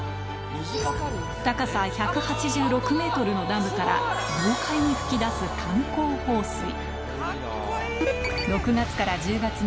高さ１８６ｍのダムから豪快に噴き出す格好いい！